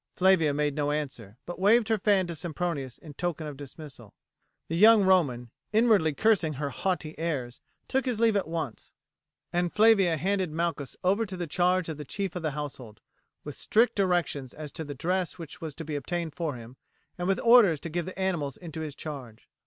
Flavia made no answer, but waved her fan to Sempronius in token of dismissal. The young Roman, inwardly cursing her haughty airs, took his leave at once, and Flavia handed Malchus over to the charge of the chief of the household, with strict directions as to the dress which was to be obtained for him, and with orders to give the animals into his charge.